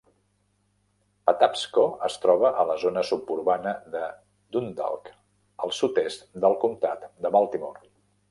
Patapsco es troba a la zona suburbana de Dundalk, al sud-est del comtat de Baltimore.